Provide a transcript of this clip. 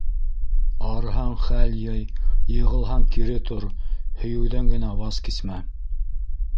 Арыһаң - хәл йый, йығылһаң - кире тор. һөйөүҙән генә ваз кисмә.